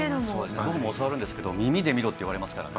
僕も教わるんですけど耳で見ろって言われますね。